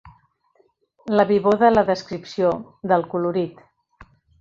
La vivor de la descripció, del colorit.